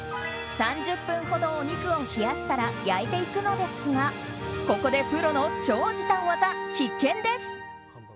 ３０分ほどお肉を冷やしたら焼いていくのですがここでプロの超時短技、必見です。